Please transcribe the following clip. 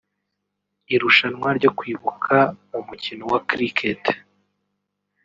Irushanwa ryo kwibuka mu mukino wa Cricket